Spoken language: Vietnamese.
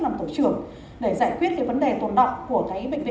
làm tổ trưởng để giải quyết cái vấn đề